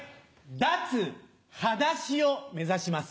脱はだしを目指します。